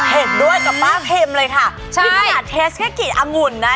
เห็นด้วยกับป้าเค็มเลยค่ะใช่นี่ขนาดเทสแค่กี่องุ่นนะ